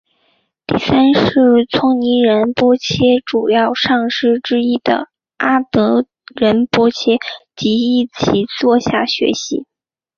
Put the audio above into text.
第三世措尼仁波切主要上师之一的阿德仁波切及亦在其座下学习。